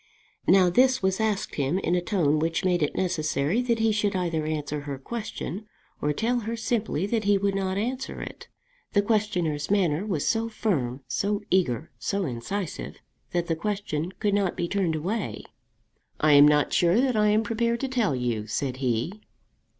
Now this was asked him in a tone which made it necessary that he should either answer her question or tell her simply that he would not answer it. The questioner's manner was so firm, so eager, so incisive, that the question could not be turned away. "I am not sure that I am prepared to tell you," said he.